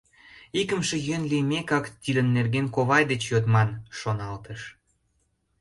«Икымше йӧн лиймекак, тидын нерген ковай деч йодман», — шоналтыш.